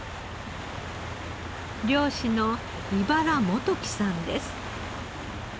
漁師の井原志樹さんです。